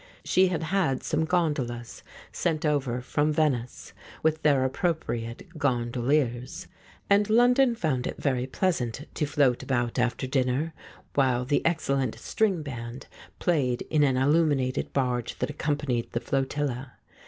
She had had some gondolas sent over from Venice, with their appropriate gondoliers, and London found it very pleasant to float about after dinner, while the ex cellent string band played in an illuminated barge that accompanied the flotilla.